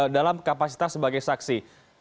dalam kapasitas sebagai saksi